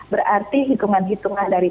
berarti hitungan hitungan dari